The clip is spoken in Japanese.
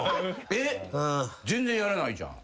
えっ全然やらないじゃん。